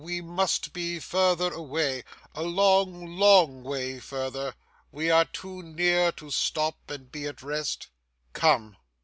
We must be further away a long, long way further. We are too near to stop, and be at rest. Come!